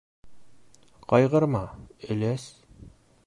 Ҡайғырма, өләс...